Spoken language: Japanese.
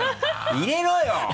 入れろよ！